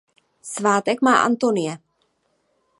Svátek má Antonie.